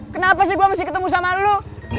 kenapa sih gue mesti ketemu sama lo